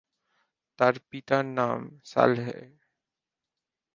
তার পিতার নাম সালেহ।